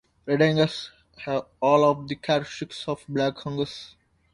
Red Angus have all of the characteristics of Black Angus.